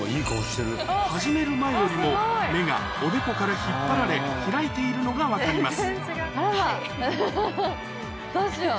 始める前よりも目がおでこから引っ張られ開いているのが分かります